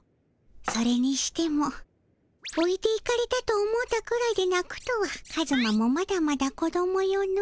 それにしてもおいていかれたと思うたくらいでなくとはカズマもまだまだ子どもよの。